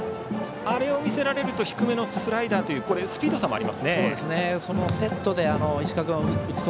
あれを見せられると低めのスライダーというセットもありますね。